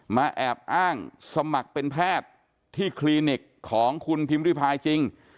แอบอ้างสมัครเป็นแพทย์ที่คลินิกของคุณพิมพิพายจริง